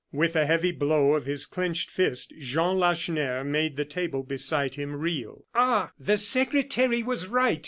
'" With a heavy blow of his clinched fist, Jean Lacheneur made the table beside him reel. "Ah! the secretary was right!"